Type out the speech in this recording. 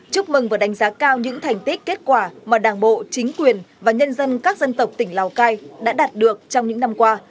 chúc mừng và đánh giá cao những thành tích kết quả mà đảng bộ chính quyền và nhân dân các dân tộc tỉnh lào cai đã đạt được trong những năm qua